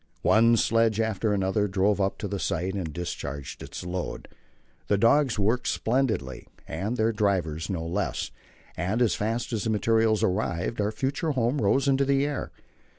One sledge after another drove up to the site and discharged its load. The dogs worked splendidly, and their drivers no less, and as fast as the materials arrived our future home rose into the air.